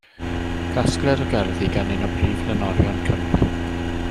Casgliad o gerddi gan un o brif lenorion Cymru.